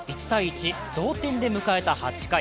１−１同点で迎えた８回。